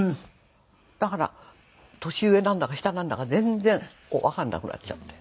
だから年上なんだか下なんだか全然わかんなくなっちゃって。